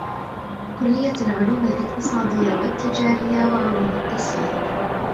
كلية العلوم الإقتصادية والتجارية وعلوم التسيير